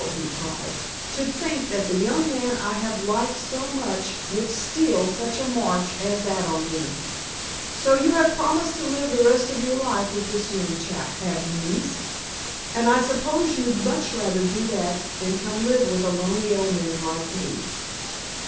he cried, "to think that the young man I have liked so much would steal such a march as that on me! So you have promised to live the rest of your life with this young chap, have you, niece? And I suppose you'd much rather do that than come live with a lonely old man like me?"